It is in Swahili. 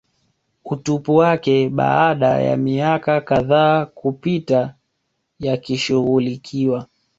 utupu wake baada ya miaka kadhaa kupita yakishughulikiwa